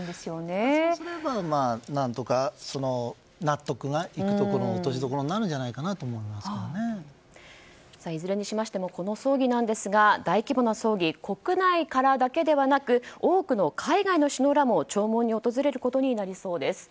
そうすれば何とか納得がいくところ落としどころになるんじゃいずれにしましてもこの葬儀ですが大規模な葬儀国内からだけではなく多くの海外の首脳らも弔問に訪れることになりそうです。